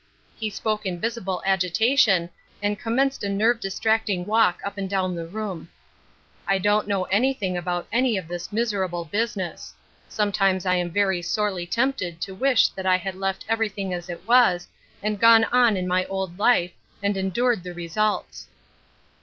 He spoke in visible agitation, and commenced a nerve distracting walk up and down the room. "I don't know anytliing about any of this mi» A \JroSis <^f Lead, 4T ,^r'ibie basiuess. Sometimes I am very sorelj tempted to wisli that 1 had left everything as it was, and goii 'ii iu my old life, and endured the results."